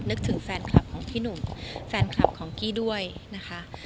นึกถึงแฟนคลับของพี่หนุ่มแฟนคลับของกี้ด้วยนะคะ